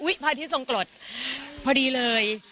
พระอาทิตย์ทรงกรดพอดีเลย